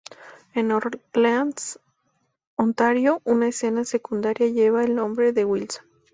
En Orleans, Ontario, una escuela secundaria lleva el nombre de Wilson.